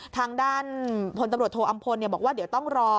ทางด้านพนตรโทอำพลบัวบอกว่าเดี๋ยวต้องรอ